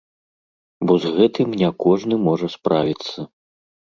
Бо з гэтым не кожны можа справіцца.